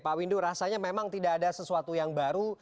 pak windu rasanya memang tidak ada sesuatu yang baru